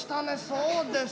そうですか。